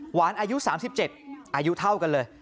หวานอายุ๓๗ปีอายุเท่ากันเลย